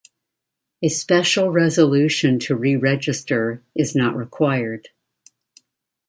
A special resolution to re-register is not required.